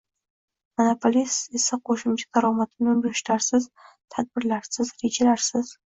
Monopolist esa qo‘shimcha daromadini urinishlarsiz, tadbirlarsiz, rejalarsiz